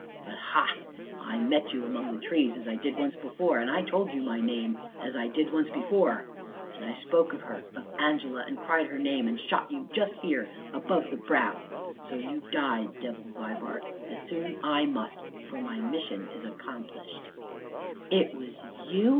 But ha! I met you among trees, as I did once before, and I told you my name as I did once before, and I spoke of her of Angela, and cried her name and shot you just here, above the brow; and so you died, Devil Vibart, as soon I must, for my mission is accomplished " "It was you!"